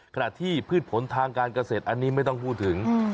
ขณะที่พืชผลทางการเกษตรอันนี้ไม่ต้องพูดถึง